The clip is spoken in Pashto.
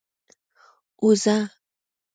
اوزه؟